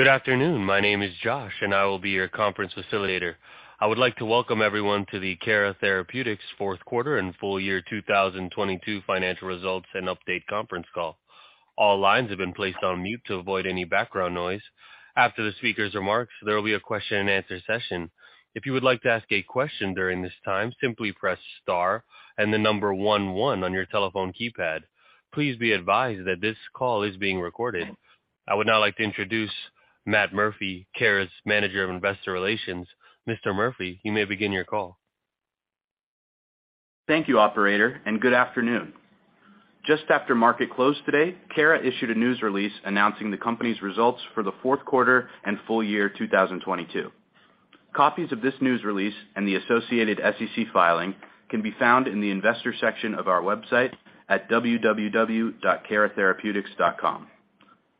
Good afternoon. My name is Josh, and I will be your conference facilitator. I would like to welcome everyone to the Cara Therapeutics Fourth Quarter and Full Year 2022 Financial Results and Update Conference Call. All lines have been placed on mute to avoid any background noise. After the speaker's remarks, there will be a question and answer session. If you would like to ask a question during this time, simply press star and the number one one on your telephone keypad. Please be advised that this call is being recorded. I would now like to introduce Matt Murphy, Cara's Manager of Investor Relations. Mr. Murphy, you may begin your call. Thank you, operator. Good afternoon. Just after market close today, Cara issued a news release announcing the company's results for the fourth quarter and full year 2022. Copies of this news release and the associated SEC filing can be found in the investor section of our website at www.caratherapeutics.com.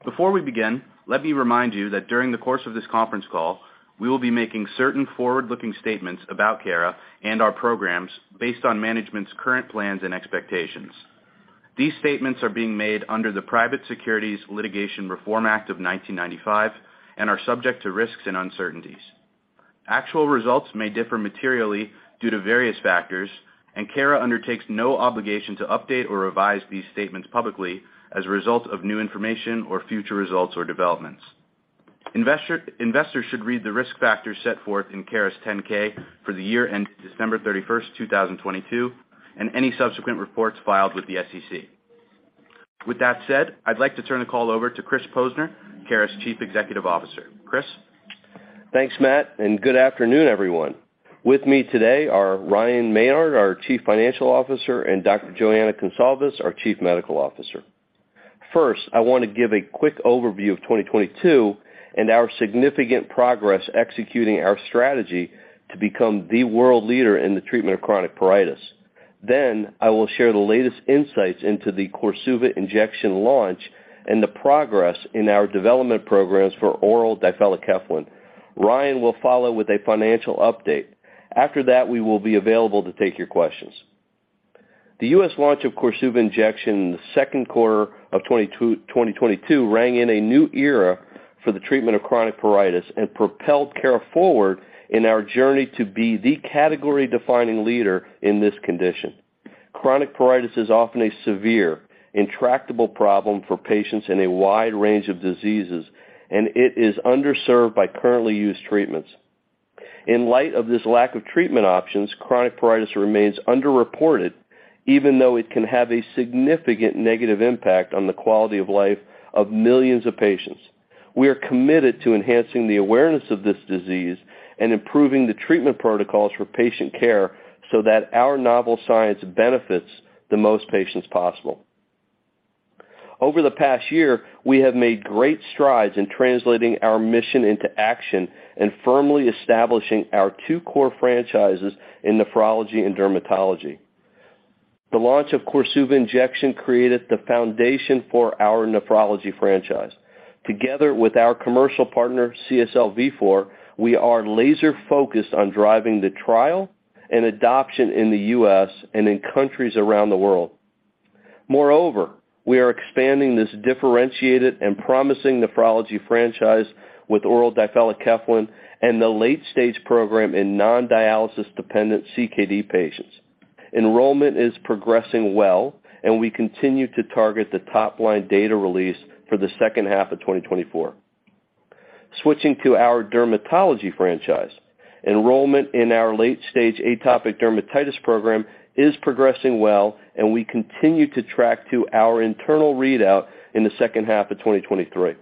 Before we begin, let me remind you that during the course of this conference call, we will be making certain forward-looking statements about Cara and our programs based on management's current plans and expectations. These statements are being made under the Private Securities Litigation Reform Act of 1995 and are subject to risks and uncertainties. Actual results may differ materially due to various factors, and Cara undertakes no obligation to update or revise these statements publicly as a result of new information or future results or developments. Investors should read the risk factors set forth in Cara's Form 10-K for the year ended December 31st, 2022, and any subsequent reports filed with the SEC. With that said, I'd like to turn the call over to Chris Posner, Cara's Chief Executive Officer. Chris? Thanks, Matt. Good afternoon, everyone. With me today are Ryan Maynard, our Chief Financial Officer, and Dr. Joana Goncalves, our Chief Medical Officer. I wanna give a quick overview of 2022 and our significant progress executing our strategy to become the world leader in the treatment of chronic pruritus. I will share the latest insights into the KORSUVA injection launch and the progress in our development programs for oral difelikefalin. Ryan will follow with a financial update. After that, we will be available to take your questions. The U.S. launch of KORSUVA injection in the second quarter of 2022 rang in a new era for the treatment of chronic pruritus and propelled Cara forward in our journey to be the category-defining leader in this condition, Chronic pruritus is often a severe, intractable problem for patients in a wide range of diseases. It is underserved by currently used treatments. In light of this lack of treatment options, chronic pruritus remains underreported, even though it can have a significant negative impact on the quality of life of millions of patients. We are committed to enhancing the awareness of this disease and improving the treatment protocols for patient care so that our novel science benefits the most patients possible. Over the past year, we have made great strides in translating our mission into action and firmly establishing our two core franchises in nephrology and dermatology. The launch of KORSUVA injection created the foundation for our nephrology franchise. Together with our commercial partner, CSL Vifor, we are laser-focused on driving the trial and adoption in the U.S. and in countries around the world. We are expanding this differentiated and promising nephrology franchise with oral difelikefalin and the late-stage program in non-dialysis-dependent CKD patients. Enrollment is progressing well, we continue to target the top-line data release for the second half of 2024. Switching to our dermatology franchise, enrollment in our late-stage atopic dermatitis program is progressing well, we continue to track to our internal readout in the second half of 2023.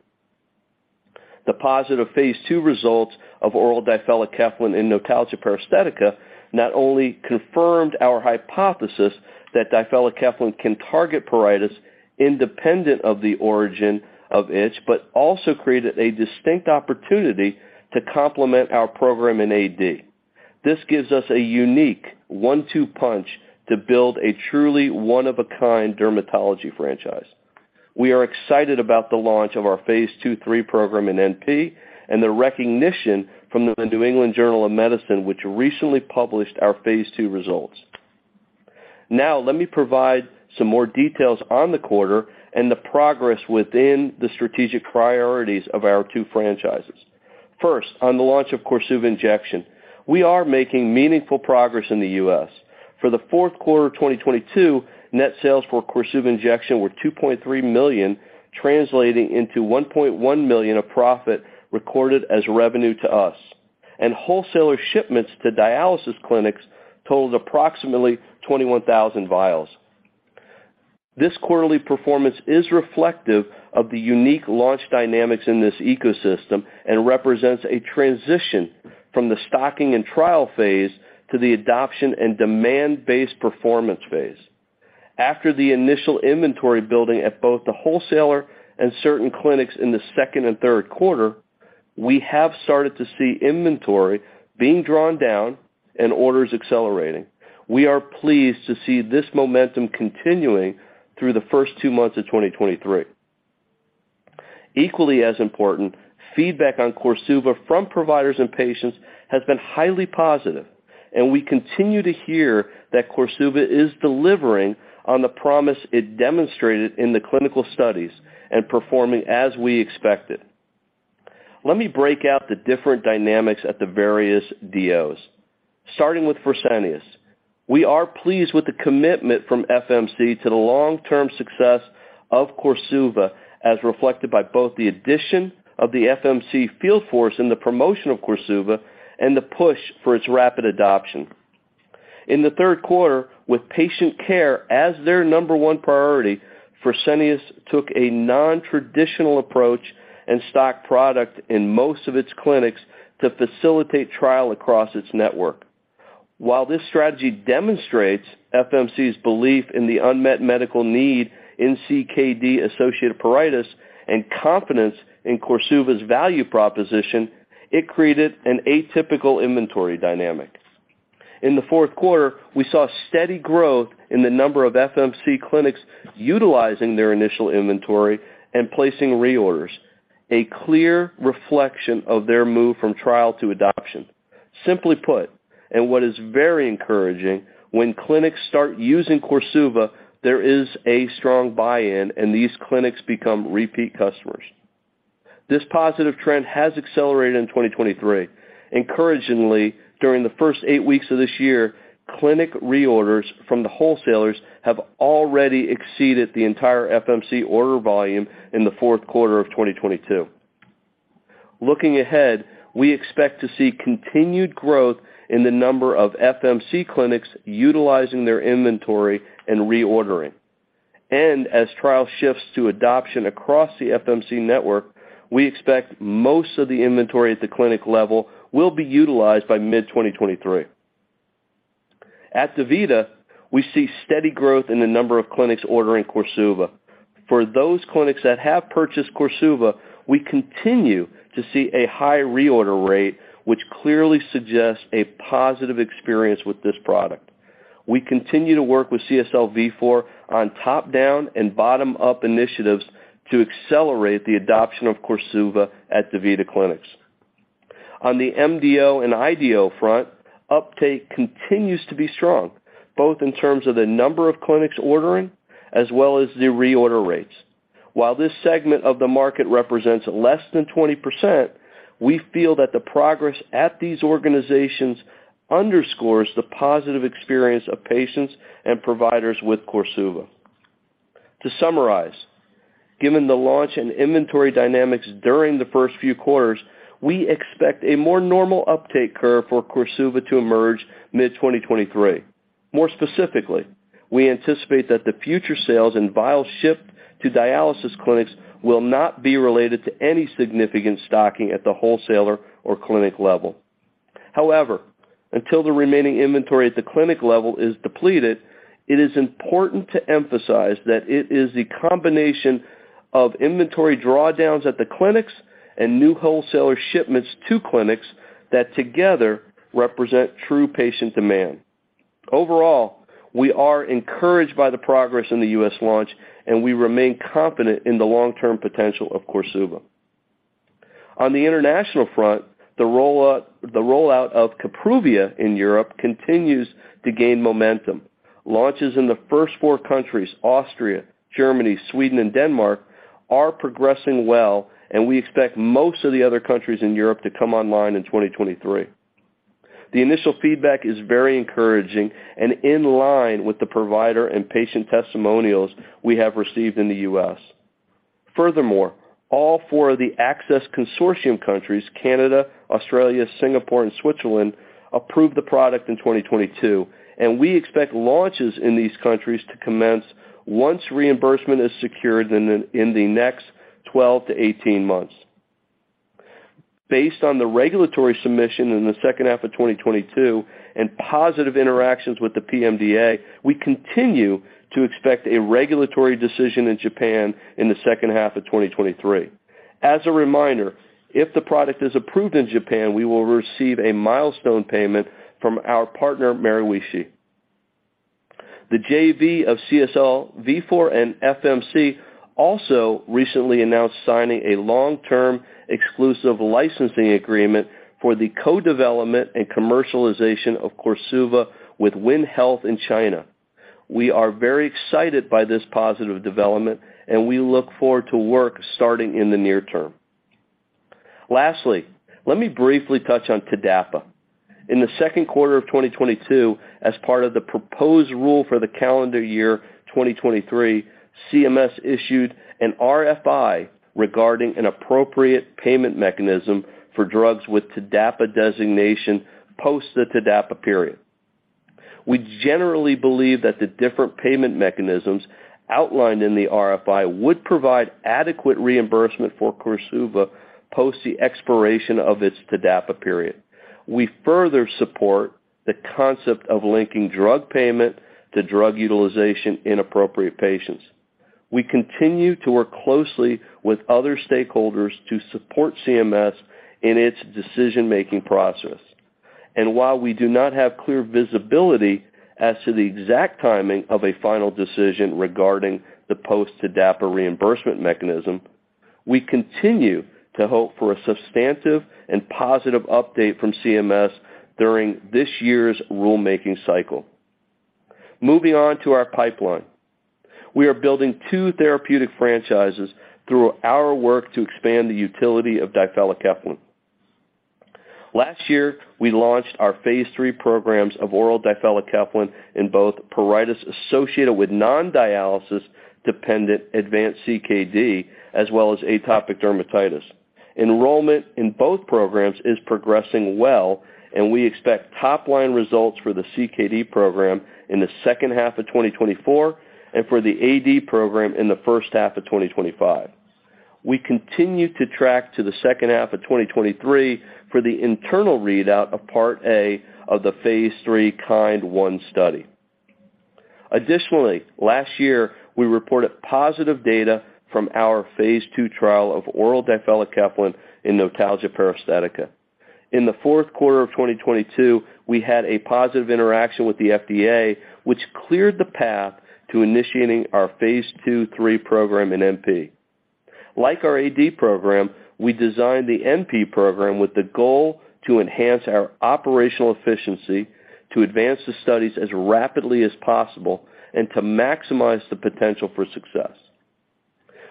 The positive phase II results of oral difelikefalin in notalgia paresthetica not only confirmed our hypothesis that difelikefalin can target pruritus independent of the origin of itch, but also created a distinct opportunity to complement our program in AD. This gives us a unique one-two punch to build a truly one-of-a-kind dermatology franchise. We are excited about the launch of our phase II, III program in NP and the recognition from the New England Journal of Medicine, which recently published our phase II results. Now let me provide some more details on the quarter and the progress within the strategic priorities of our two franchises. First, on the launch of KORSUVA injection, we are making meaningful progress in the U.S. For the fourth quarter of 2022, net sales for KORSUVA injection were $2.3 million, translating into $1.1 million of profit recorded as revenue to us. Wholesaler shipments to dialysis clinics totaled approximately 21,000 vials. This quarterly performance is reflective of the unique launch dynamics in this ecosystem and represents a transition from the stocking and trial phase to the adoption and demand-based performance phase. After the initial inventory building at both the wholesaler and certain clinics in the second and third quarter, we have started to see inventory being drawn down and orders accelerating. We are pleased to see this momentum continuing through the first two months of 2023. Equally as important, feedback on KORSUVA from providers and patients has been highly positive. We continue to hear that KORSUVA is delivering on the promise it demonstrated in the clinical studies and performing as we expected. Let me break out the different dynamics at the various DOs, starting with Fresenius. We are pleased with the commitment from FMC to the long-term success of KORSUVA, as reflected by both the addition of the FMC field force in the promotion of KORSUVA and the push for its rapid adoption. In the third quarter, with patient care as their number one priority, Fresenius took a nontraditional approach and stocked product in most of its clinics to facilitate trial across its network. While this strategy demonstrates FMC's belief in the unmet medical need in CKD-associated pruritus and confidence in KORSUVA's value proposition, it created an atypical inventory dynamic. In the fourth quarter, we saw steady growth in the number of FMC clinics utilizing their initial inventory and placing reorders, a clear reflection of their move from trial to adoption. Simply put, and what is very encouraging, when clinics start using KORSUVA, there is a strong buy-in, and these clinics become repeat customers. This positive trend has accelerated in 2023. Encouragingly, during the first eight weeks of this year, clinic reorders from the wholesalers have already exceeded the entire FMC order volume in the fourth quarter of 2022. Looking ahead, we expect to see continued growth in the number of FMC clinics utilizing their inventory and reordering. As trial shifts to adoption across the FMC network, we expect most of the inventory at the clinic level will be utilized by mid-2023. At DaVita, we see steady growth in the number of clinics ordering KORSUVA. For those clinics that have purchased KORSUVA, we continue to see a high reorder rate, which clearly suggests a positive experience with this product. We continue to work with CSL Vifor on top-down and bottom-up initiatives to accelerate the adoption of KORSUVA at DaVita Clinics. On the MDO and IDO front, uptake continues to be strong, both in terms of the number of clinics ordering as well as the reorder rates. While this segment of the market represents less than 20%, we feel that the progress at these organizations underscores the positive experience of patients and providers with KORSUVA. To summarize, given the launch and inventory dynamics during the first few quarters, we expect a more normal uptake curve for KORSUVA to emerge mid-2023. More specifically, we anticipate that the future sales and vials shipped to dialysis clinics will not be related to any significant stocking at the wholesaler or clinic level. However, until the remaining inventory at the clinic level is depleted, it is important to emphasize that it is the combination of inventory drawdowns at the clinics and new wholesaler shipments to clinics that together represent true patient demand. Overall, we are encouraged by the progress in the U.S. launch, and we remain confident in the long-term potential of KORSUVA. On the international front, the rollout of Kapruvia in Europe continues to gain momentum. Launches in the first four countries, Austria, Germany, Sweden, and Denmark, are progressing well, and we expect most of the other countries in Europe to come online in 2023. The initial feedback is very encouraging and in line with the provider and patient testimonials we have received in the U.S. All four of the Access Consortium countries, Canada, Australia, Singapore, and Switzerland, approved the product in 2022, and we expect launches in these countries to commence once reimbursement is secured in the next 12-18 months. Based on the regulatory submission in the second half of 2022 and positive interactions with the PMDA, we continue to expect a regulatory decision in Japan in the second half of 2023. As a reminder, if the product is approved in Japan, we will receive a milestone payment from our partner, Maruishi. The JV of CSL Vifor and FMC also recently announced signing a long-term exclusive licensing agreement for the co-development and commercialization of KORSUVA with WinHealth in China. We are very excited by this positive development, and we look forward to work starting in the near term. Lastly, let me briefly touch on TDAPA. In the second quarter of 2022, as part of the proposed rule for the calendar year 2023, CMS issued an RFI regarding an appropriate payment mechanism for drugs with TDAPA designation post the TDAPA period. We generally believe that the different payment mechanisms outlined in the RFI would provide adequate reimbursement for KORSUVA post the expiration of its TDAPA period. We further support the concept of linking drug payment to drug utilization in appropriate patients. We continue to work closely with other stakeholders to support CMS in its decision-making process. While we do not have clear visibility as to the exact timing of a final decision regarding the post-TDAPA reimbursement mechanism. We continue to hope for a substantive and positive update from CMS during this year's rulemaking cycle. Moving on to our pipeline. We are building two therapeutic franchises through our work to expand the utility of difelikefalin. Last year, we launched our phase III programs of oral difelikefalin in both pruritus associated with non-dialysis dependent advanced CKD, as well as atopic dermatitis. Enrollment in both programs is progressing well and we expect top line results for the CKD program in the second half of 2024 and for the AD program in the first half of 2025. We continue to track to the second half of 2023 for the internal readout of Part A of the phase III KIND 1 study. Last year we reported positive data from our phase II trial of oral difelikefalin in notalgia paresthetica. In the fourth quarter of 2022, we had a positive interaction with the FDA which cleared the path to initiating our phase II/III program in NP. Like our AD program, we designed the NP program with the goal to enhance our operational efficiency to advance the studies as rapidly as possible and to maximize the potential for success.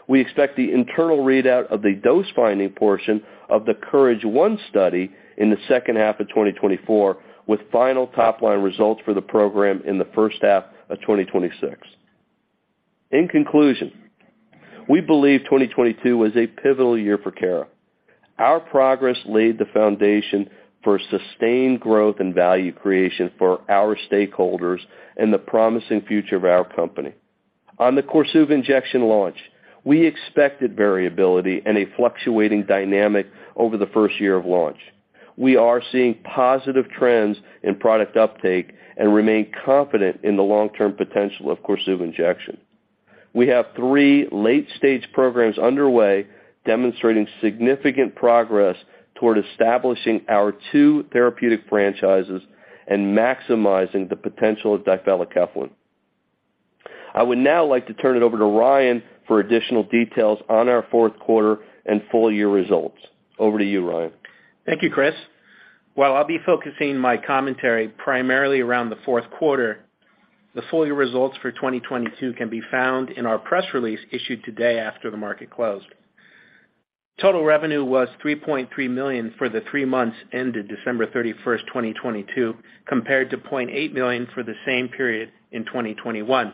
We expect the internal readout of the dose finding portion of the KOURAGE 1 study in the second half of 2024, with final top line results for the program in the first half of 2026. We believe 2022 was a pivotal year for Cara. Our progress laid the foundation for sustained growth and value creation for our stakeholders and the promising future of our company. On the KORSUVA injection launch, we expected variability and a fluctuating dynamic over the first year of launch. We are seeing positive trends in product uptake and remain confident in the long term potential of KORSUVA injection. We have three late-stage programs underway demonstrating significant progress toward establishing our two therapeutic franchises and maximizing the potential of difelikefalin. I would now like to turn it over to Ryan for additional details on our fourth quarter and full year results. Over to you, Ryan. Thank you, Chris. While I'll be focusing my commentary primarily around the fourth quarter, the full year results for 2022 can be found in our press release issued today after the market closed. Total revenue was $3.3 million for the three months ended December 31st, 2022, compared to $0.8 million for the same period in 2021.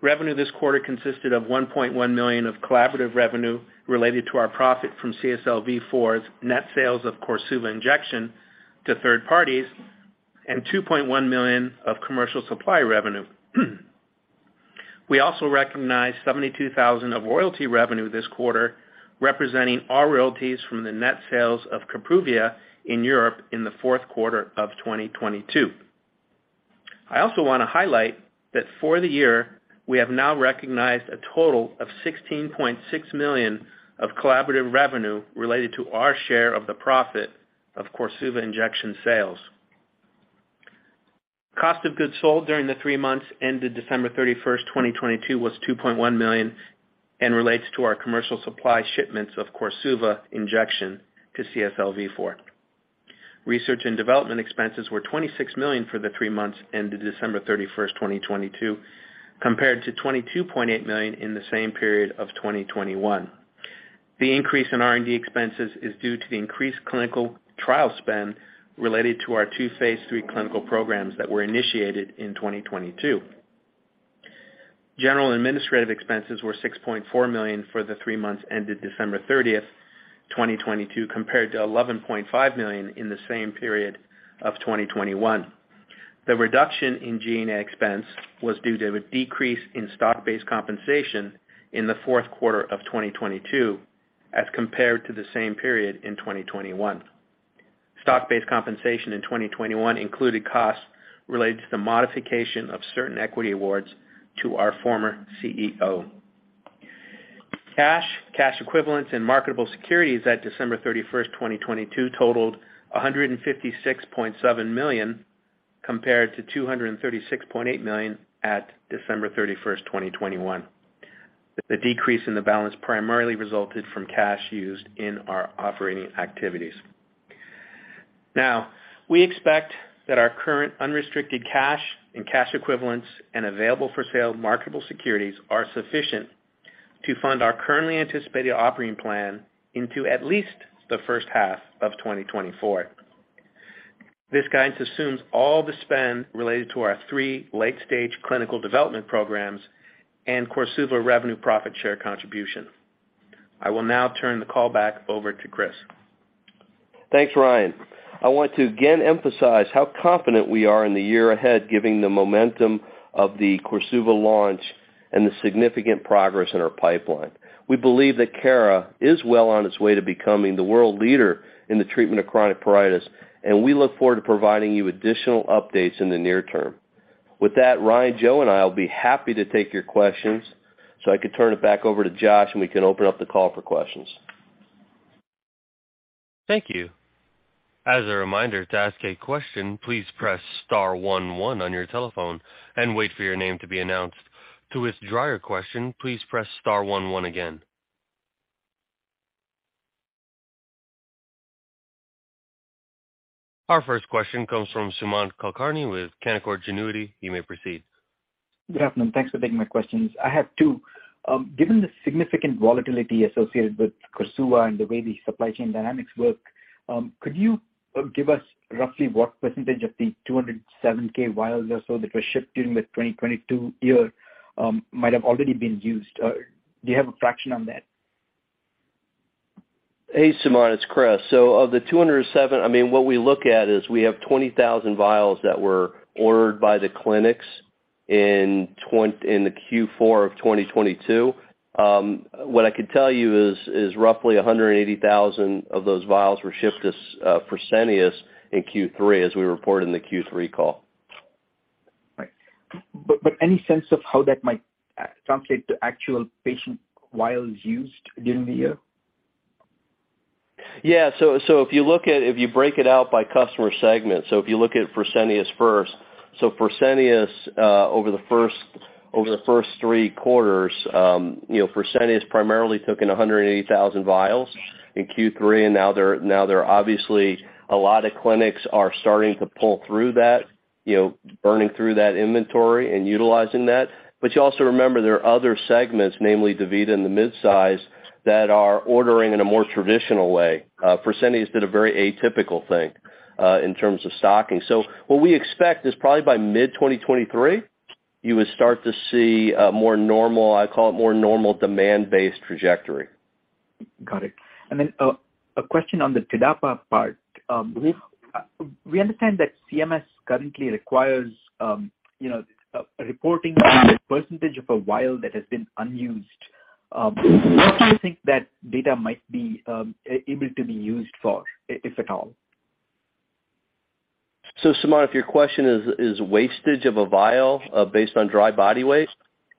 Revenue this quarter consisted of $1.1 million of collaborative revenue related to our profit from CSL Vifor's net sales of KORSUVA injection to third parties and $2.1 million of commercial supply revenue. We also recognized $72,000 of royalty revenue this quarter, representing our royalties from the net sales of Kapruvia in Europe in the fourth quarter of 2022. I also want to highlight that for the year we have now recognized a total of $16.6 million of collaborative revenue related to our share of the profit of KORSUVA injection sales. Cost of goods sold during the three months ended December 31st, 2022, was $2.1 million and relates to our commercial supply shipments of KORSUVA injection to CSL Vifor. Research and development expenses were $26 million for the three months ended December 31st, 2022, compared to $22.8 million in the same period of 2021. The increase in R&D expenses is due to the increased clinical trial spend related to our two phase III clinical programs that were initiated in 2022. General and administrative expenses were $6.4 million for the three months ended December 30th, 2022, compared to $11.5 million in the same period of 2021. The reduction in G&A expense was due to a decrease in stock-based compensation in the fourth quarter of 2022 as compared to the same period in 2021. Stock-based compensation in 2021 included costs related to the modification of certain equity awards to our former CEO. Cash, cash equivalents and marketable securities at December 31st, 2022 totaled $156.7 million compared to $236.8 million at December 31st, 2021. The decrease in the balance primarily resulted from cash used in our operating activities. Now we expect that our current unrestricted cash and cash equivalents and available for sale marketable securities are sufficient to fund our currently anticipated operating plan into at least the first half of 2024. This guidance assumes all the spend related to our three late stage clinical development programs and KORSUVA revenue profit share contribution. I will now turn the call back over to Chris. Thanks, Ryan. I want to again emphasize how confident we are in the year ahead, given the momentum of the KORSUVA launch and the significant progress in our pipeline. We believe that Cara is well on its way to becoming the world leader in the treatment of chronic pruritus and we look forward to providing you additional updates in the near term. With that, Ryan, Jo and I will be happy to take your questions so I could turn it back over to Josh and we can open up the call for questions. Thank you. As a reminder to ask a question, please press star one one on your telephone and wait for your name to be announced. To withdraw your question, please press star one one again. Our first question comes from Sumant Kulkarni with Canaccord Genuity. You may proceed. Good afternoon. Thanks for taking my questions. I have two. Given the significant volatility associated with KORSUVA and the way the supply chain dynamics work, could you give us roughly what percent of the 207K vials or so that were shipped during the 2022 year might have already been used? Do you have a fraction on that? Hey, Sumant, it's Chris. Of the 207, I mean, what we look at is we have 20,000 vials that were ordered by the clinics in the Q4 of 2022. What I could tell you is roughly 180,000 of those vials were shipped to Fresenius in Q3 as we reported in the Q3 call. Right. Any sense of how that might translate to actual patient vials used during the year? Yeah. If you look at, if you break it out by customer segment, so if you look at Fresenius first, Fresenius over the first three quarters, you know, Fresenius primarily took in 180,000 vials in Q3, and now they're obviously a lot of clinics are starting to pull through that, you know, burning through that inventory and utilizing that. You also remember there are other segments, namely DaVita and the midsize, that are ordering in a more traditional way. Fresenius did a very atypical thing in terms of stocking. What we expect is probably by mid 2023, you would start to see a more normal, I call it more normal demand-based trajectory. Got it. Then a question on the TDAPA part. We understand that CMS currently requires, you know, reporting on the percentage of a vial that has been unused. What do you think that data might be able to be used for, if at all? Sumant, if your question is wastage of a vial, based on dry body waste?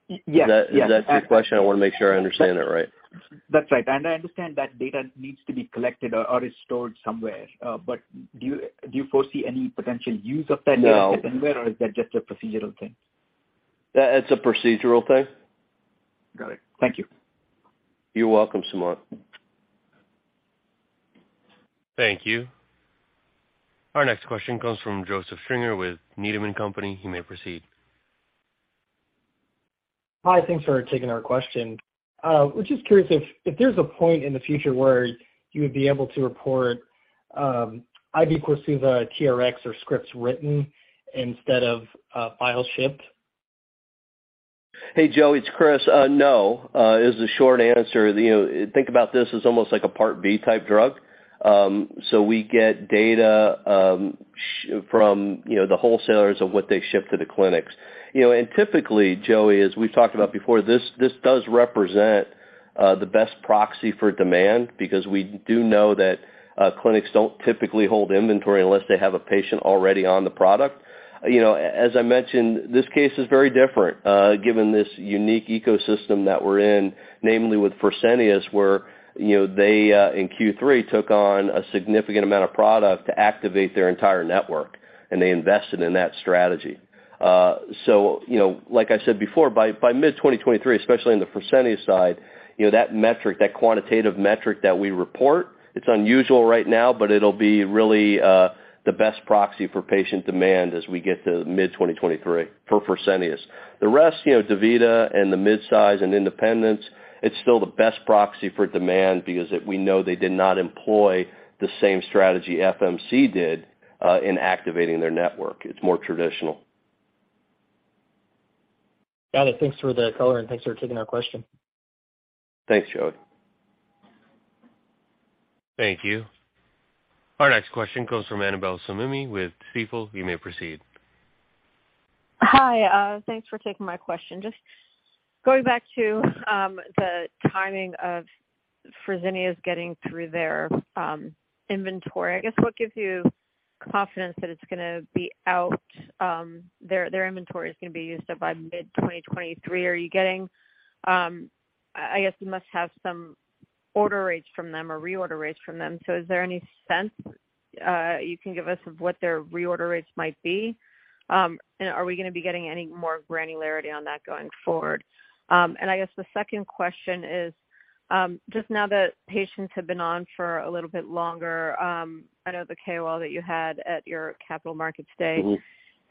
Yes. Is that your question? I wanna make sure I understand it right. That's right. I understand that data needs to be collected or is stored somewhere. Do you foresee any potential use of that data? No. Anywhere, or is that just a procedural thing? That is a procedural thing. Got it. Thank you. You're welcome, Sumant. Thank you. Our next question comes from Joseph Stringer with Needham & Company. You may proceed. Hi. Thanks for taking our question. Was just curious if there's a point in the future where you would be able to report, IV KORSUVA Trx or scripts written instead of, files shipped? Hey, Joe, it's Chris. No is the short answer. You know, think about this as almost like a part B type drug. We get data from, you know, the wholesalers of what they ship to the clinics. You know, typically, Joe, as we've talked about before, this does represent the best proxy for demand because we do know that clinics don't typically hold inventory unless they have a patient already on the product. You know, as I mentioned, this case is very different given this unique ecosystem that we're in, namely with Fresenius, where, you know, they in Q3 took on a significant amount of product to activate their entire network, they invested in that strategy. You know, like I said before, by mid 2023, especially on the Fresenius side, you know, that metric, that quantitative metric that we report, it's unusual right now, but it'll be really the best proxy for patient demand as we get to mid 2023 for Fresenius. The rest, you know, DaVita and the midsize and independents, it's still the best proxy for demand because we know they did not employ the same strategy FMC did in activating their network. It's more traditional. Got it. Thanks for the color, and thanks for taking our question. Thanks, Joe. Thank you. Our next question comes from Annabel Samimy with Stifel. You may proceed. Hi, thanks for taking my question. Just going back to the timing of Fresenius getting through their inventory. I guess, what gives you confidence that it's gonna be out, their inventory is gonna be used up by mid 2023? Are you getting, I guess you must have some order rates from them or reorder rates from them. Is there an sense you can give us of what their reorder rates might be? Are we gonna be getting any more granularity on that going forward? I guess the second question is, just now that patients have been on for a little bit longer, I know the KOL that you had at your Capital Markets Day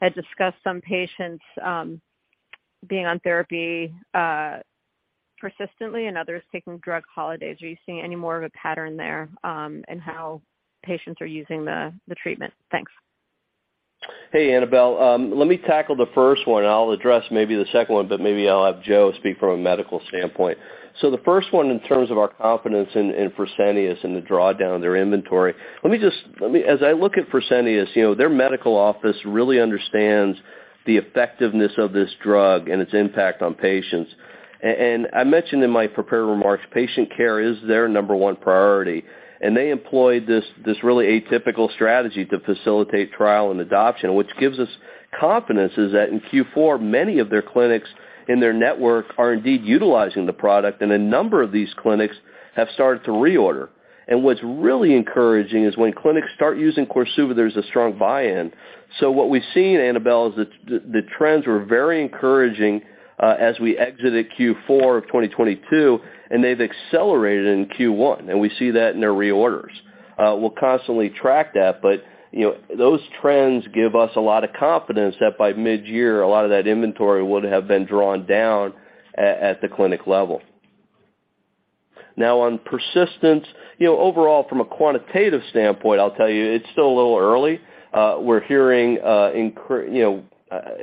had discussed some patients, being on therapy, persistently and others taking drug holidays. Are you seeing any more of a pattern there, in how patients are using the treatment? Thanks. Hey, Annabel Samimy. I'll address maybe the second one, but maybe I'll have Jo speak from a medical standpoint. The first one in terms of our confidence in Fresenius and the drawdown of their inventory, let me. As I look at Fresenius, you know, their medical office really understands the effectiveness of this drug and its impact on patients. I mentioned in my prepared remarks, patient care is their number one priority. They employed this really atypical strategy to facilitate trial and adoption, which gives us confidence is that in Q4, many of their clinics in their network are indeed utilizing the product. A number of these clinics have started to reorder. What's really encouraging is when clinics start using KORSUVA, there's a strong buy-in. What we've seen, Annabel Samimy, is that the trends were very encouraging as we exited Q4 of 2022, and they've accelerated in Q1, and we see that in their reorders. We'll constantly track that, but, you know, those trends give us a lot of confidence that by midyear, a lot of that inventory would have been drawn down at the clinic level. Now on persistence, you know, overall from a quantitative standpoint, I'll tell you it's still a little early. We're hearing, you know,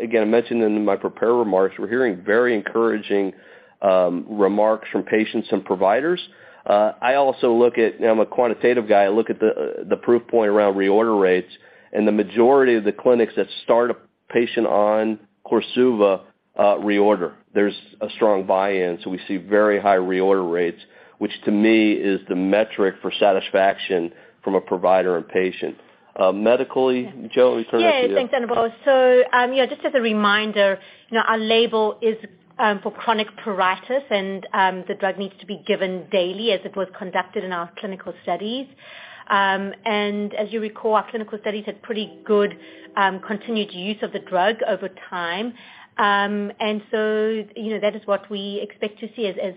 again, I mentioned in my prepared remarks, we're hearing very encouraging remarks from patients and providers. I also look at, now I'm a quantitative guy, I look at the proof point around reorder rates, and the majority of the clinics that start a patient on KORSUVA reorder. There's a strong buy-in. We see very high reorder rates, which to me is the metric for satisfaction from a provider and patient. Medically, Jo, turn it to you. Thanks, Annabel. Just as a reminder, you know, our label is for chronic pruritus, and the drug needs to be given daily as it was conducted in our clinical studies. As you recall, our clinical studies had pretty good continued use of the drug over time. You know, that is what we expect to see. As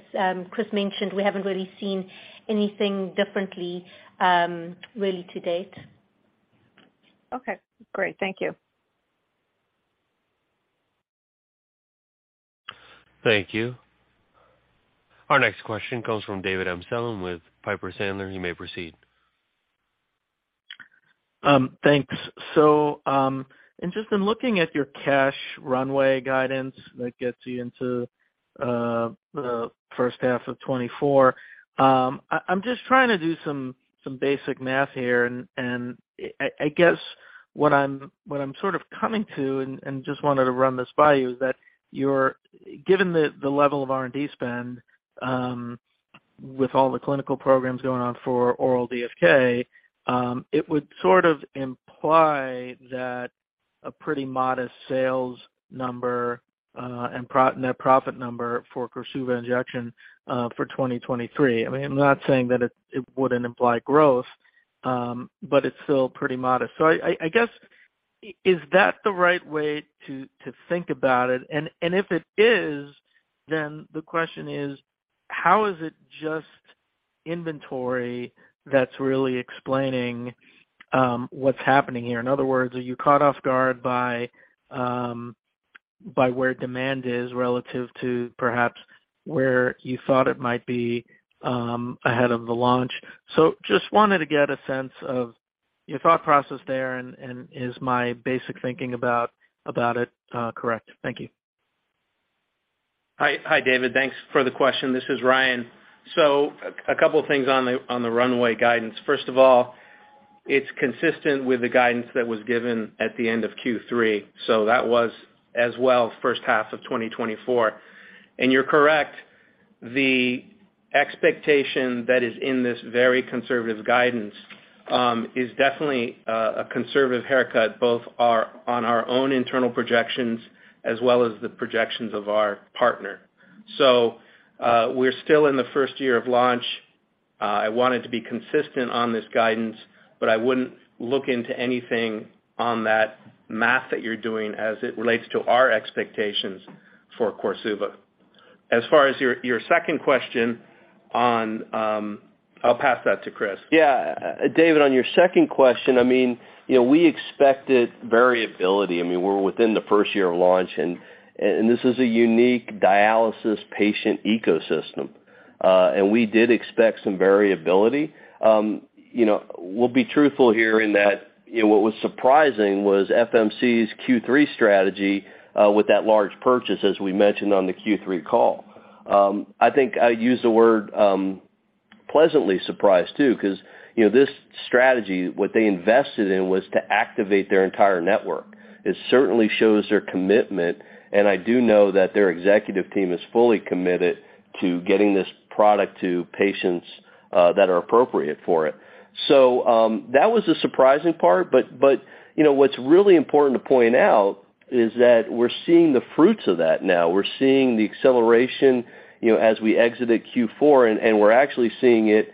Chris mentioned, we haven't really seen anything differently really to date. Okay. Great. Thank you. Thank you. Our next question comes from David Amsellem with Piper Sandler. You may proceed. Thanks. In just in looking at your cash runway guidance that gets you into the first half of 2024, I'm just trying to do some basic math here. I guess what I'm sort of coming to, just wanted to run this by you, is that you're Given the level of R&D spend, with all the clinical programs going on for oral DFK, it would sort of imply that a pretty modest sales number and pro-net profit number for KORSUVA injection for 2023. I mean, I'm not saying that it wouldn't imply growth, but it's still pretty modest. I guess, is that the right way to think about it? If it is, then the question is, how is it just inventory that's really explaining what's happening here? In other words, are you caught off guard by where demand is relative to perhaps where you thought it might be ahead of the launch? Just wanted to get a sense of your thought process there and is my basic thinking about it correct? Thank you. Hi, David. Thanks for the question. This is Ryan. A couple things on the runway guidance. First of all, it's consistent with the guidance that was given at the end of Q3, so that was as well first half of 2024. You're correct, the expectation that is in this very conservative guidance is definitely a conservative haircut, both on our own internal projections as well as the projections of our partner. We're still in the first year of launch. I wanted to be consistent on this guidance, but I wouldn't look into anything on that math that you're doing as it relates to our expectations for KORSUVA. As far as your second question on I'll pass that to Chris. Yeah. David, on your second question, I mean, you know, we expected variability. I mean, we're within the first year of launch and this is a unique dialysis patient ecosystem. We did expect some variability. you know, we'll be truthful here in that, you know, what was surprising was FMC's Q3 strategy with that large purchase, as we mentioned on the Q3 call. I think I'd use the word pleasantly surprised too, 'cause, you know, this strategy, what they invested in was to activate their entire network. It certainly shows their commitment, and I do know that their executive team is fully committed to getting this product to patients that are appropriate for it. That was the surprising part, but, you know, what's really important to point out is that we're seeing the fruits of that now. We're seeing the acceleration, you know, as we exited Q4, and we're actually seeing it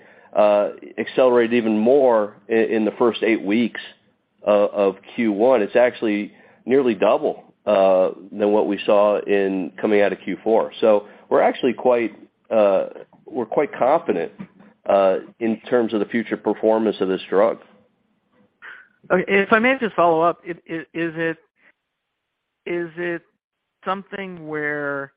accelerate even more in the first eight weeks of Q1. It's actually nearly double than what we saw in coming out of Q4. We're actually quite, we're quite confident in terms of the future performance of this drug. If I may just follow up. Is it something where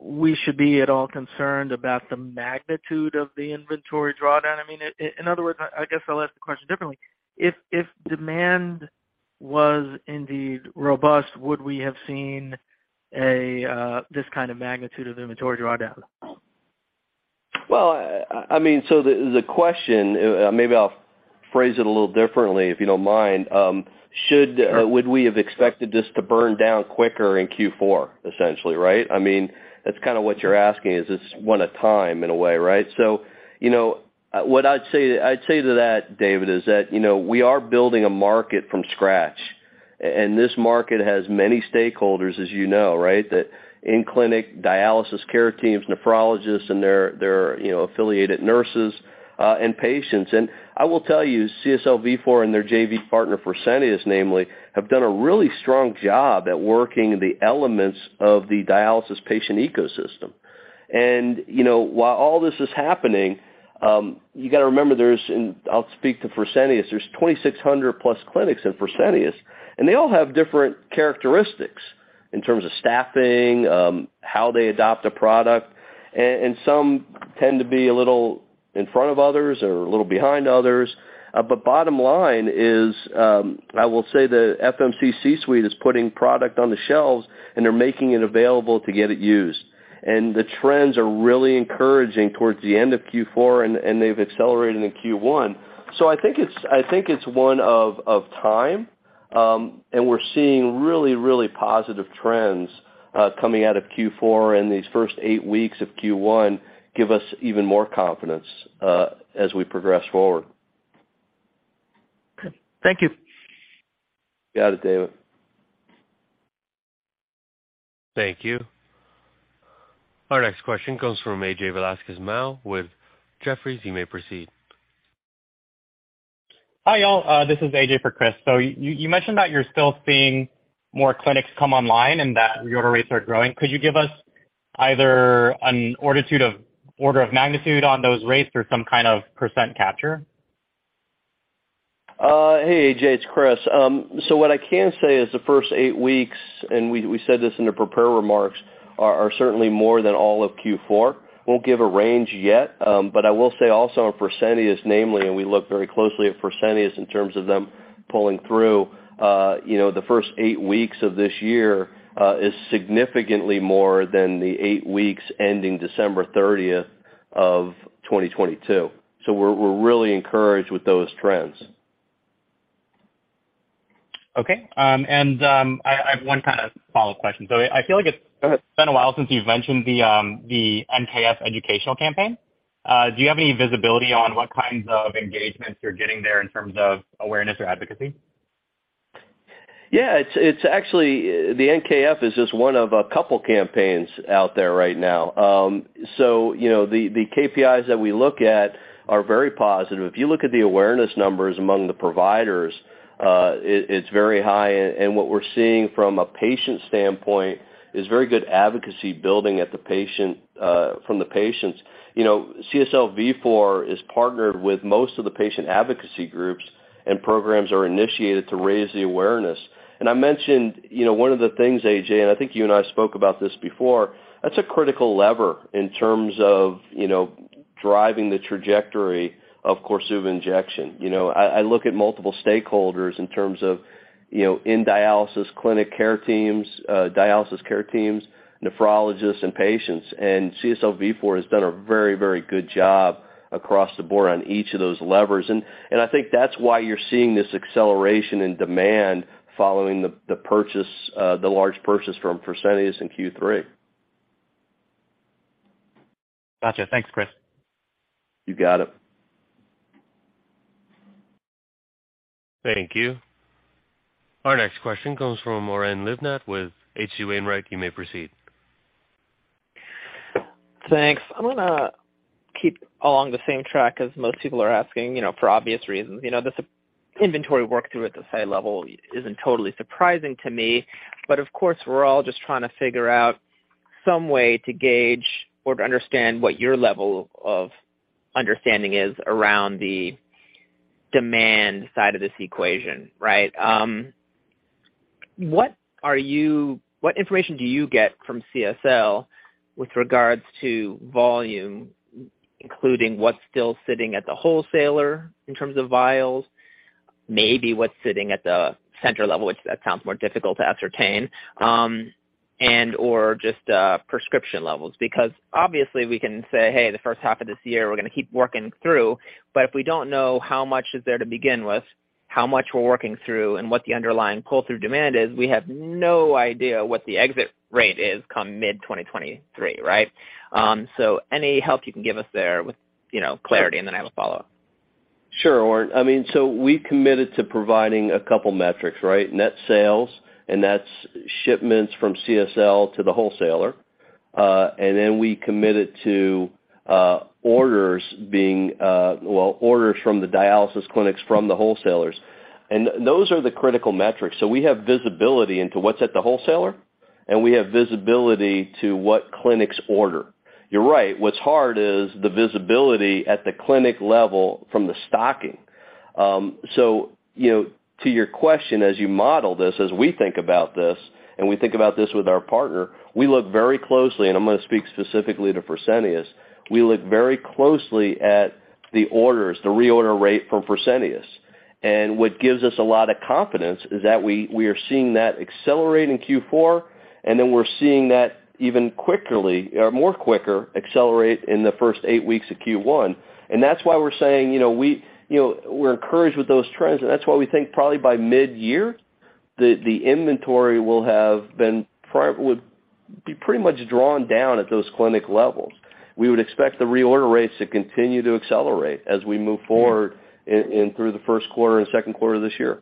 we should be at all concerned about the magnitude of the inventory drawdown? I mean, in other words, I guess I'll ask the question differently. If demand was indeed robust, would we have seen a this kind of magnitude of inventory drawdown? Well, I mean, so the question, maybe I'll phrase it a little differently, if you don't mind. Sure. Would we have expected this to burn down quicker in Q4, essentially, right? I mean, that's kinda what you're asking, is this one a time in a way, right? You know, what I'd say to that, David, is that, you know, we are building a market from scratch. This market has many stakeholders, as you know, right? The in-clinic dialysis care teams, nephrologists, and their, you know, affiliated nurses, and patients. I will tell you, CSL Vifor and their JV partner, Fresenius namely, have done a really strong job at working the elements of the dialysis patient ecosystem. You know, while all this is happening, you gotta remember there's, and I'll speak to Fresenius, there's 2,600 plus clinics in Fresenius, and they all have different characteristics in terms of staffing, how they adopt a product. Some tend to be a little in front of others or a little behind others. Bottom line is, I will say the FMC suite is putting product on the shelves, and they're making it available to get it used. The trends are really encouraging towards the end of Q4, and they've accelerated in Q1. I think it's one of time, and we're seeing really, really positive trends coming out of Q4, and these first eight weeks of Q1 give us even more confidence as we progress forward. Okay. Thank you. You got it, David. Thank you. Our next question comes from AJ Velasquez-Mao with Jefferies. You may proceed. Hi, you all. This is AJ for Chris. You mentioned that you're still seeing more clinics come online and that reorder rates are growing. Could you give us either an order of magnitude on those rates or some kind of % capture? Hey, AJ, it's Chris. What I can say is the first eight weeks, and we said this in the prepared remarks, are certainly more than all of Q4. Won't give a range yet, but I will say also on Fresenius namely, and we look very closely at Fresenius in terms of them pulling through, you know, the first eight weeks of this year, is significantly more than the eight weeks ending December 30, 2022. We're really encouraged with those trends. Okay. I have one kind of follow-up question. I feel like it's been a while since you've mentioned the NKF educational campaign. Do you have any visibility on what kinds of engagements you're getting there in terms of awareness or advocacy? Yeah. It's actually, the NKF is just one of a couple campaigns out there right now. You know, the KPIs that we look at are very positive. If you look at the awareness numbers among the providers, it's very high. And what we're seeing from a patient standpoint is very good advocacy building at the patient from the patients. You know, CSL Vifor is partnered with most of the patient advocacy groups. Programs are initiated to raise the awareness. I mentioned, you know, one of the things, AJ, and I think you and I spoke about this before, that's a critical lever in terms of, you know, driving the trajectory of KORSUVA injection. You know, I look at multiple stakeholders in terms of, you know, in dialysis clinic care teams, dialysis care teams, nephrologists and patients, CSL Vifor has done a very, very good job across the board on each of those levers. I think that's why you're seeing this acceleration in demand following the purchase, the large purchase from Fresenius in Q3. Gotcha. Thanks, Chris. You got it. Thank you. Our next question comes from Oren Livnat with H.C. Wainwright. You may proceed. Thanks. I'm gonna keep along the same track as most people are asking, you know, for obvious reasons. You know, this inventory work through at the high level isn't totally surprising to me, but of course, we're all just trying to figure out some way to gauge or to understand what your level of understanding is around the demand side of this equation, right? What information do you get from CSL with regards to volume, including what's still sitting at the wholesaler in terms of vials, maybe what's sitting at the center level, which that sounds more difficult to ascertain, and/or just prescription levels? Obviously we can say, "Hey, the first half of this year we're gonna keep working through." If we don't know how much is there to begin with, how much we're working through, and what the underlying pull-through demand is, we have no idea what the exit rate is come mid-2023, right? Any help you can give us there with, you know, clarity, and then I have a follow-up. Sure, Oren. I mean, we committed to providing two metrics, right? Net sales, that's shipments from CSL to the wholesaler. Then we committed to orders being, well, orders from the dialysis clinics from the wholesalers. Those are the critical metrics. We have visibility into what's at the wholesaler, we have visibility to what clinics order. You're right. What's hard is the visibility at the clinic level from the stocking. You know, to your question, as you model this, as we think about this, we think about this with our partner, we look very closely, and I'm gonna speak specifically to Fresenius, we look very closely at the orders, the reorder rate from Fresenius. What gives us a lot of confidence is that we are seeing that accelerate in Q4, we're seeing that even quickly or more quicker accelerate in the 1st eight weeks of Q1. That's why we're saying, you know, we, you know, we're encouraged with those trends, and that's why we think probably by mid-year the inventory will have been pretty much drawn down at those clinic levels. We would expect the reorder rates to continue to accelerate as we move forward through the 1st quarter and 2nd quarter of this year.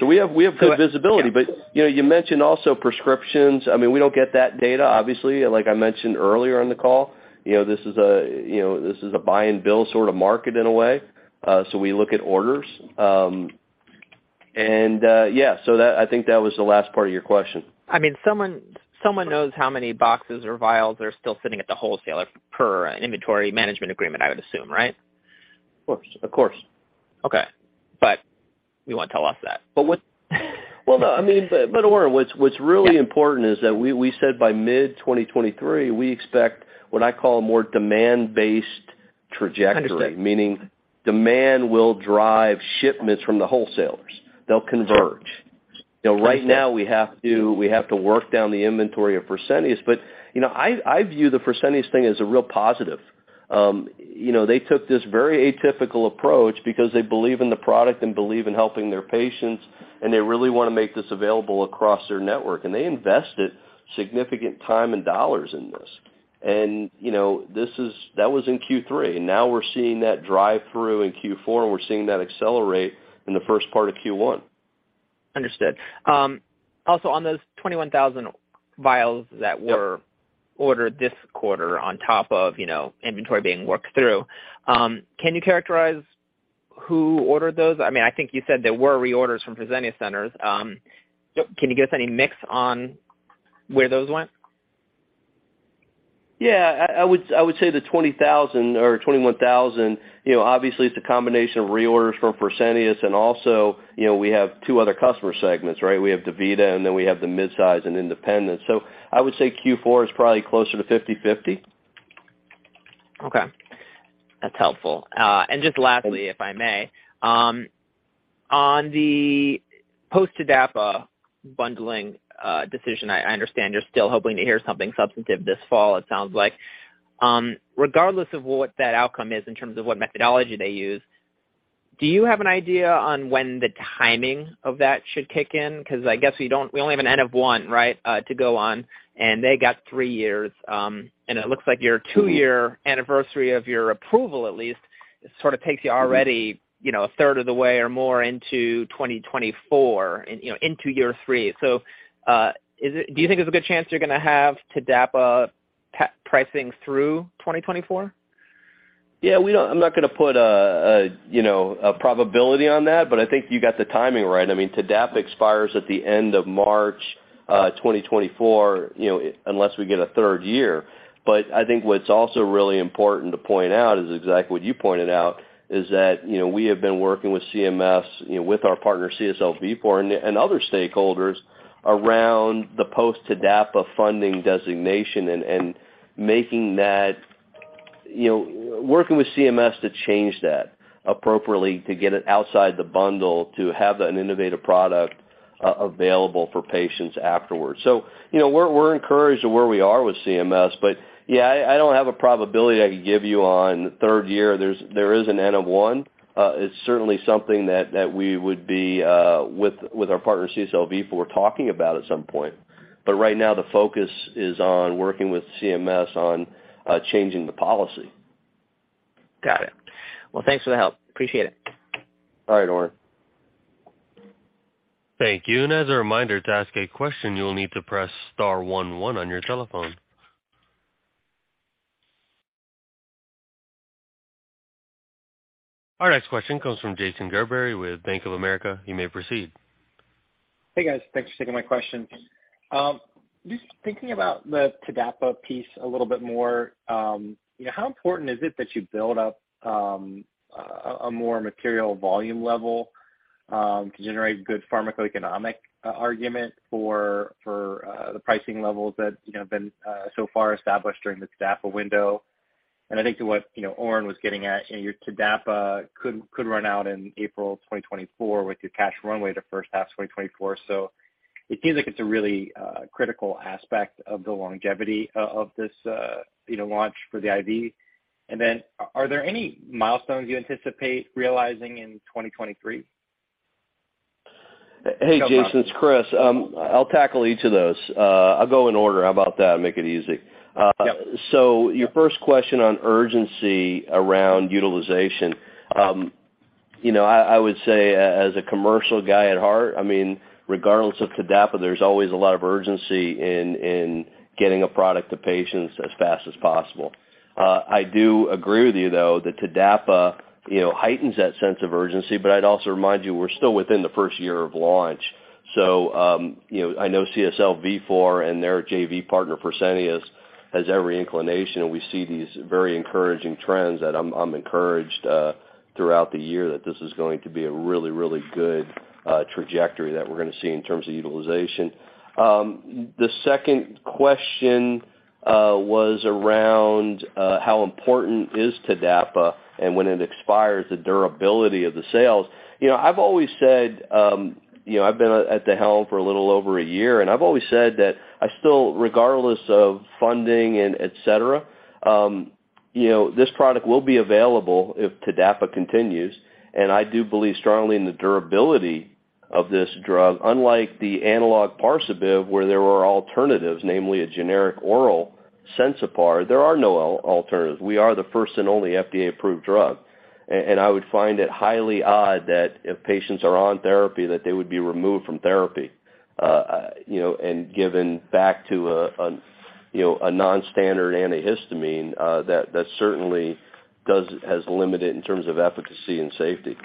We have good visibility. You know, you mentioned also prescriptions. I mean, we don't get that data, obviously. Like I mentioned earlier on the call, you know, this is a, you know, this is a buy and bill sort of market in a way. We look at orders. Yeah, I think that was the last part of your question. I mean, someone knows how many boxes or vials are still sitting at the wholesaler per an inventory management agreement, I would assume, right? Of course. Of course. Okay. You won't tell us that. What Well, no, I mean, but Oren, what's really important is that we said by mid 2023, we expect what I call a more demand-based trajectory. Understood. Meaning demand will drive shipments from the wholesalers. They'll converge. You know, right now we have to work down the inventory of Fresenius. You know, I view the Fresenius thing as a real positive. You know, they took this very atypical approach because they believe in the product and believe in helping their patients, and they really wanna make this available across their network. They invested significant time and dollars in this. You know, that was in Q3. Now we're seeing that drive-through in Q4, and we're seeing that accelerate in the first part of Q1. Understood. Also on those 21,000 vials that were ordered this quarter on top of, you know, inventory being worked through, can you characterize who ordered those? I mean, I think you said there were reorders from Fresenius centers. Can you give us any mix on where those went? Yeah. I would say the $20,000 or $21,000, you know, obviously it's a combination of reorders from Fresenius and also, you know, we have two other customer segments, right? We have DaVita, and then we have the midsize and independent. I would say Q4 is probably closer to 50/50. Okay. That's helpful. Just lastly, if I may, on the post-TDAPA bundling decision, I understand you're still hoping to hear something substantive this fall, it sounds like. Regardless of what that outcome is in terms of what methodology they use, do you have an idea on when the timing of that should kick in? Because I guess we don't, we only have an N-of- 1, right, to go on, and they got three years. It looks like your two-year anniversary of your approval at least sort of takes you already, you know, a third of the way or more into 2024 in, you know, into year three. Is it do you think there's a good chance you're gonna have TDAPA pricing through 2024? Yeah, we don't I'm not gonna put a, you know, a probability on that, but I think you got the timing right. I mean, TDAPA expires at the end of March 2024, you know, unless we get a third year. I think what's also really important to point out is exactly what you pointed out, is that, you know, we have been working with CMS, you know, with our partner CSL Vifor for, and other stakeholders around the post-TDAPA funding designation and making that, you know, working with CMS to change that appropriately to get it outside the bundle to have an innovative product available for patients afterwards. You know, we're encouraged at where we are with CMS. Yeah, I don't have a probability I could give you on the third year. There is an N-of-1. It's certainly something that we would be with our partner CSL Vifor talking about at some point. Right now the focus is on working with CMS on changing the policy. Got it. Thanks for the help. Appreciate it. All right, Oren. Thank you. As a reminder, to ask a question, you'll need to press star one one on your telephone. Our next question comes from Jason Gerberry with Bank of America. You may proceed. Hey, guys. Thanks for taking my questions. Just thinking about the TDAPA piece a little bit more, you know, how important is it that you build up a more material volume level to generate good pharmacoeconomic argument for the pricing levels that, you know, have been so far established during the TDAPA window? I think to what, you know, Oren was getting at, you know, your TDAPA could run out in April 2024 with your cash runway to first half 2024. So it seems like it's a really critical aspect of the longevity of this, you know, launch for the IV. Are there any milestones you anticipate realizing in 2023? Hey, Jason, it's Chris. I'll tackle each of those. I'll go in order. How about that and make it easy? Yep. Your first question on urgency around utilization, you know, I would say as a commercial guy at heart, I mean, regardless of TDAPA, there's always a lot of urgency in getting a product to patients as fast as possible. I do agree with you though that TDAPA, you know, heightens that sense of urgency, I'd also remind you we're still within the first year of launch. You know, I know CSL Vifor and their JV partner Fresenius has every inclination, and we see these very encouraging trends that I'm encouraged throughout the year that this is going to be a really, really good trajectory that we're gonna see in terms of utilization. The second question was around how important is TDAPA and when it expires the durability of the sales. You know, I've always said, you know, I've been at the helm for a little over a year, and I've always said that I still, regardless of funding and et cetera. You know, this product will be available if TDAPA continues, and I do believe strongly in the durability of this drug. Unlike the analog Parsabiv, where there are alternatives, namely a generic oral Sensipar, there are no alternatives. We are the first and only FDA-approved drug. I would find it highly odd that if patients are on therapy, that they would be removed from therapy, you know, and given back to a, you know, a non-standard antihistamine, that certainly has limited in terms of efficacy and safety.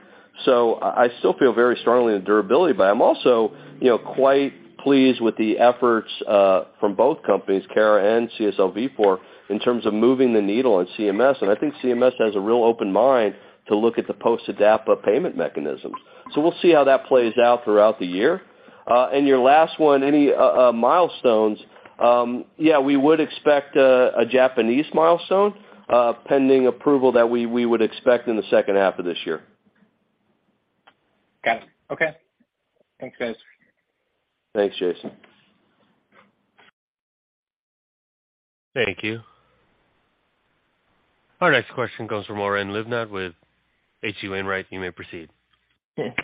I still feel very strongly in the durability, but I'm also, you know, quite pleased with the efforts from both companies, Cara and CSL Vifor, in terms of moving the needle on CMS. I think CMS has a real open mind to look at the post TDAPA payment mechanisms. We'll see how that plays out throughout the year. Your last one, any milestones. Yeah, we would expect a Japanese milestone pending approval that we would expect in the second half of this year. Got it. Okay. Thanks, guys. Thanks, Jason. Thank you. Our next question comes from Oren Livnat with H.C. Wainwright. You may proceed.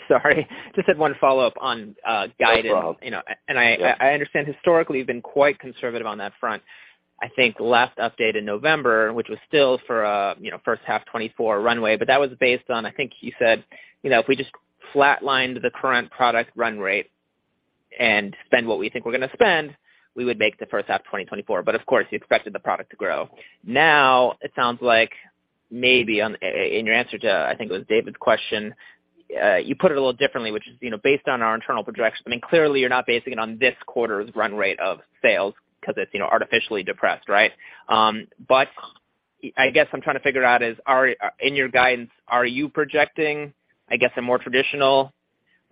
Sorry. Just had one follow-up on guidance. No problem. You know. Yeah. I understand historically you've been quite conservative on that front. I think last update in November, which was still for a, you know, first half 2024 runway, that was based on, I think you said, you know, if we just flatlined the current product run rate and spend what we think we're gonna spend, we would make the first half of 2024. Of course, you expected the product to grow. Now, it sounds like maybe in your answer to, I think it was David's question, you put it a little differently, which is, you know, based on our internal projections. I mean, clearly you're not basing it on this quarter's run rate of sales because it's, you know, artificially depressed, right? I guess I'm trying to figure out is, in your guidance, are you projecting, I guess, a more traditional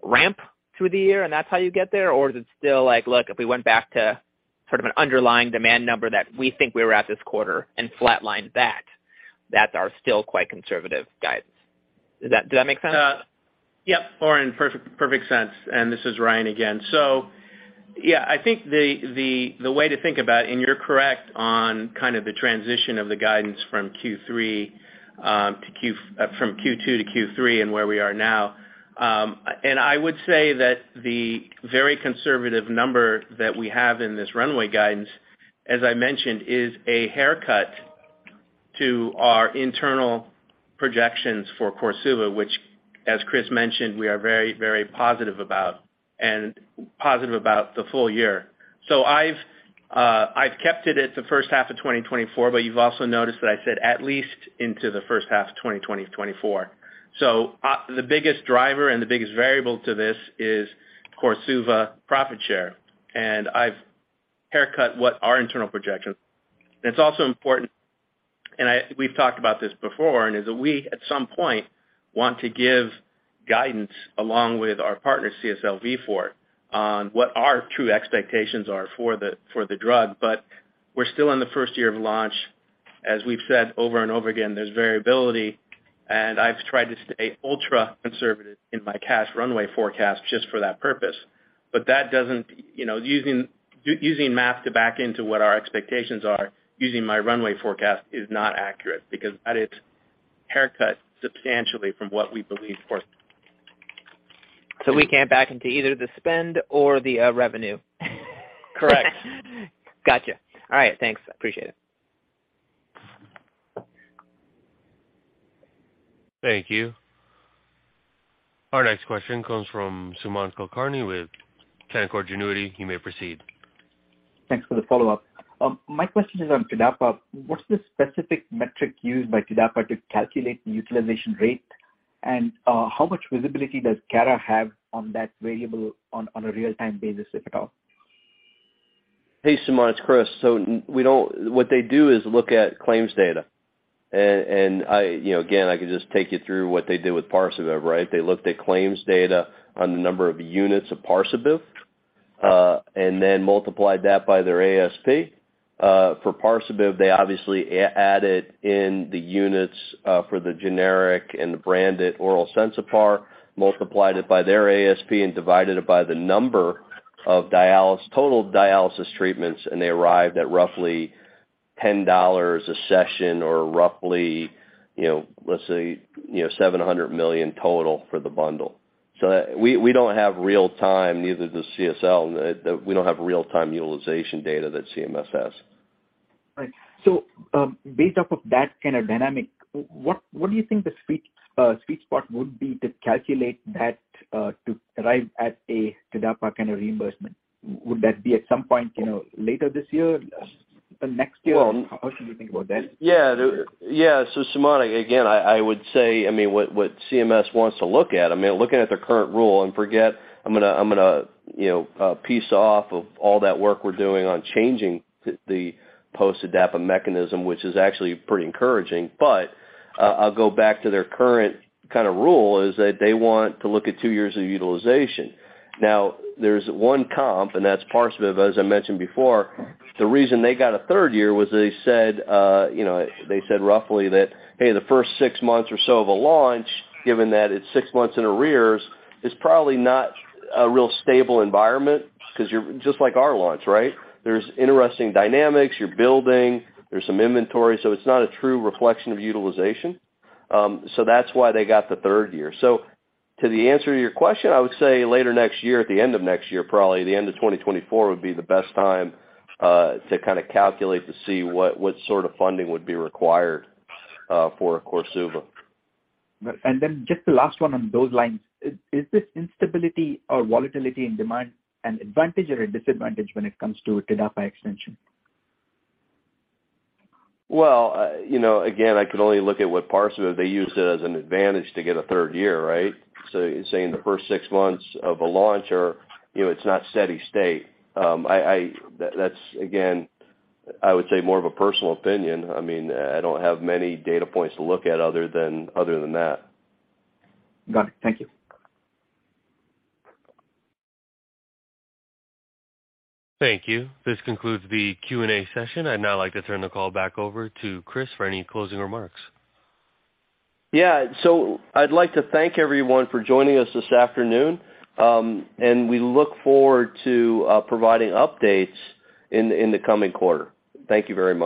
ramp through the year, and that's how you get there? Is it still like, look, if we went back to sort of an underlying demand number that we think we were at this quarter and flatlined that's our still quite conservative guidance. Does that make sense? Oren, perfect sense. This is Ryan again. I think the way to think about it, and you're correct on kind of the transition of the guidance from Q3 to Q2 to Q3 and where we are now. I would say that the very conservative number that we have in this runway guidance, as I mentioned, is a haircut to our internal projections for KORSUVA, which as Chris mentioned, we are very, very positive about and positive about the full year. I've kept it at the first half of 2024, but you've also noticed that I said at least into the first half of 2024. The biggest driver and the biggest variable to this is KORSUVA profit share. I've haircut what our internal projections. It's also important, we've talked about this before, and as we, at some point, want to give guidance along with our partner, CSL Vifor, on what our true expectations are for the drug. We're still in the first year of launch. As we've said over and over again, there's variability, and I've tried to stay ultra-conservative in my cash runway forecast just for that purpose. That doesn't, you know, using math to back into what our expectations are using my runway forecast is not accurate because that is haircut substantially from what we believe for-We can't back into either the spend or the revenue. Correct. Gotcha. All right, thanks. Appreciate it. Thank you. Our next question comes from Sumant Kulkarni with Canaccord Genuity. You may proceed. Thanks for the follow-up. My question is on TDAPA. What's the specific metric used by TDAPA to calculate the utilization rate? How much visibility does Cara have on that variable on a real-time basis, if at all? Hey, Sumant, it's Chris. What they do is look at claims data. You know, again, I can just take you through what they did with Parsabiv, right? They looked at claims data on the number of units of Parsabiv and then multiplied that by their ASP. For Parsabiv, they obviously added in the units for the generic and the branded oral Sensipar, multiplied it by their ASP and divided it by the number of total dialysis treatments, and they arrived at roughly $10 a session or roughly, you know, let's say, you know, $700 million total for the bundle. We don't have real-time, neither does CSL. We don't have real-time utilization data that CMS has. Based off of that kind of dynamic, what do you think the sweet spot would be to calculate that to arrive at a TDAPA kind of reimbursement? Would that be at some point, you know, later this year, next year? Well- How should we think about that? Yeah. Suman, again, I would say, I mean, what CMS wants to look at, I mean, looking at their current rule and forget I'm gonna, I'm gonna, you know, piece off of all that work we're doing on changing the post TDAPA mechanism, which is actually pretty encouraging. I'll go back to their current kinda rule, is that they want to look at year years of utilization. There's 1 comp, and that's Parsabiv. As I mentioned before, the reason they got a 3rd year was they said, you know, they said roughly that, "Hey, the 1st 6 months or so of a launch, given that it's six months in arrears, is probably not a real stable environment 'cause you're." Just like our launch, right? There's interesting dynamics. You're building. There's some inventory. It's not a true reflection of utilization. That's why they got the third year. To the answer to your question, I would say later next year, at the end of next year, probably the end of 2024 would be the best time to kind of calculate to see what sort of funding would be required for KORSUVA. just the last one on those lines. Is this instability or volatility in demand an advantage or a disadvantage when it comes to a TDAPA extension? Well, you know, again, I can only look at what Parsabiv, they used it as an advantage to get a third year, right? Saying the first six months of a launch or, you know, it's not steady state. That's, again, I would say more of a personal opinion. I mean, I don't have many data points to look at other than that. Got it. Thank you. Thank you. This concludes the Q&A session. I'd now like to turn the call back over to Chris for any closing remarks. I'd like to thank everyone for joining us this afternoon. We look forward to providing updates in the coming quarter. Thank you very much.